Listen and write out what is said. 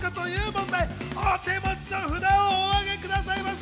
お手持ちの札をお上げくださいませ！